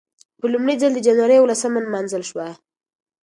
په لومړي ځل د جنورۍ یولسمه نمانځل شوه.